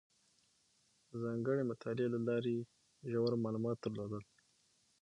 ځانګړې مطالعې له لارې یې ژور معلومات درلودل.